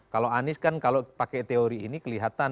kalau anies kan kalau pakai teori ini kelihatan